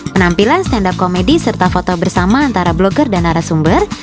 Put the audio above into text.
penampilan stand up komedi serta foto bersama antara blogger dan narasumber